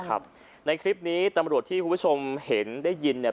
ใช่ครับในคลิปนี้ตำรวจที่ผู้ชมเห็นได้ยินเนี่ย